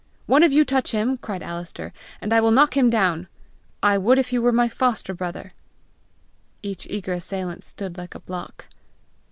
"One of you touch him," cried Alister, "and I will knock him down. I would if he were my foster brother!" Each eager assailant stood like a block.